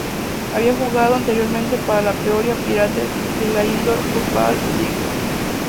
Había jugado anteriormente para los Peoria Pirates de la Indoor Football League.